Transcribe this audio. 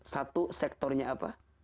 satu sektornya apa